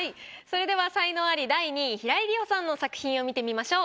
それでは才能アリ第２位平井理央さんの作品を見てみましょう。